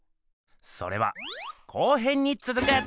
それは後編につづく！